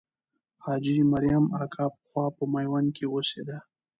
حاجي مریم اکا پخوا په میوند کې اوسېده.